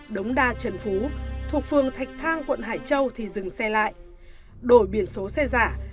đống đa trần phú thuộc phường thạch thang quận hải châu thì dừng xe lại đổi biển số xe giả